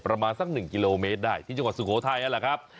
ประมาณสัก๑กิโลเมตรได้ที่จังหวัดสุโขทัยนั่นแหละครับ